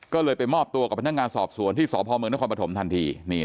ก็เลยไปมอบตัวกับพนักงานสอบสวนที่สพเมืองนครปฐมทันที